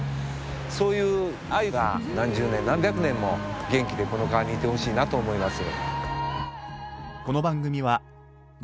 そういうアユが何十年何百年も元気でこの川にいてほしいなと思います。